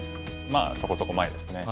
まあそこそこ前ですね。